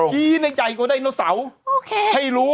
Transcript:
จีนใหญ่กว่าไดโนเสาร์ให้รู้